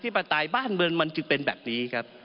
ที่ประต่ายบ้านเมืองมันคือเป็นแบบนี้ครับ